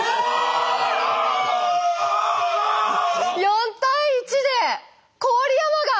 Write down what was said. ４対１で郡山が。